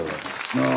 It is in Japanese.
なあ？